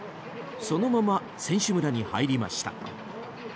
そのまま、選手村に入りました。